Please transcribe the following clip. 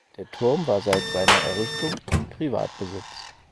Der Turm war seit seiner Errichtung in Privatbesitz.